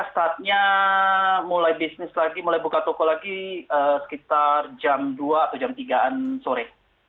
saatnya mulai bisnis lagi mulai buka toko lagi sekitar jam dua atau jam tiga an sore